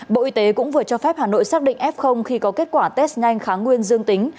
bộ y tế cũng vừa cho phép hà nội xác định f khi có kết quả test nhanh kháng nguyên dương tính